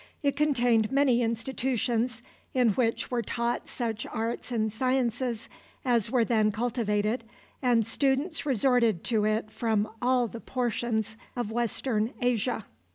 It contained many institutions in which were taught such arts and sciences as were then cultivated, and students resorted to it from all the portions of Western Asia.